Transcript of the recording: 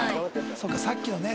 そっかさっきはね